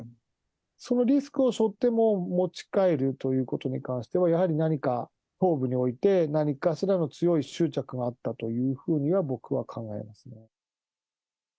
そのリスクを背負っても持ち帰るということに関しては、やはり何か、頭部において何かしらの強い執着があったというふうには、僕は考えますね。